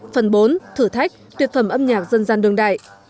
phần bốn thử thách tuyệt phẩm âm nhạc dân gian đường đại